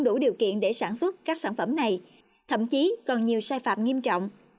đủ điều kiện để sản xuất các sản phẩm này thậm chí còn nhiều sai phạm nghiêm trọng